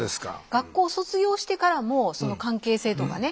学校卒業してからもその関係性とかね